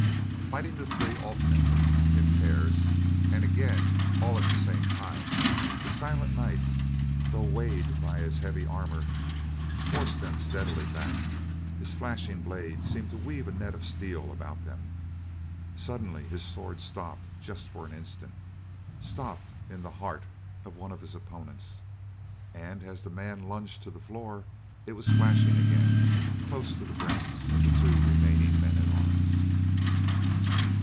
Fighting the three alternately, in pairs and again all at the same time, the silent knight, though weighted by his heavy armor, forced them steadily back; his flashing blade seeming to weave a net of steel about them. Suddenly his sword stopped just for an instant, stopped in the heart of one of his opponents, and as the man lunged to the floor, it was flashing again close to the breasts of the two remaining men at arms.